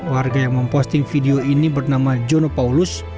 warga yang memposting video ini bernama jono paulus